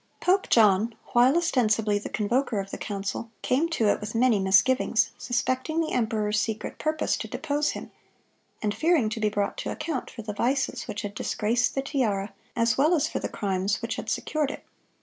Pope John, while ostensibly the convoker of the council, came to it with many misgivings, suspecting the emperor's secret purpose to depose him, and fearing to be brought to account for the vices which had disgraced the tiara, as well as for the crimes which had secured it.